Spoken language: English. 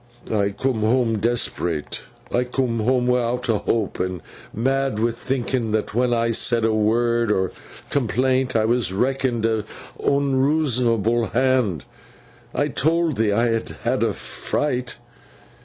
'I coom home desp'rate. I coom home wi'out a hope, and mad wi' thinking that when I said a word o' complaint I was reckoned a unreasonable Hand. I told thee I had had a fright.